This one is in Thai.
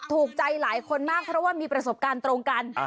ถูกใจหลายคนมากเพราะว่ามีประสบการณ์ตรงกัน